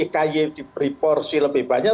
kay diberi porsi lebih banyak